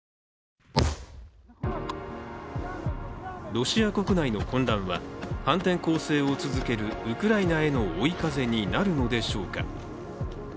ロシア国内の混乱は、反転攻勢を続けるウクライナへの追い風になるのでしょうか。